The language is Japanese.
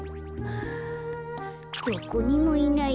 どこにもいない